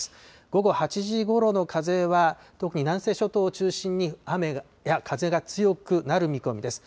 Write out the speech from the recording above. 午後８時ごろの風は、特に南西諸島を中心に雨や風が強くなる見込みです。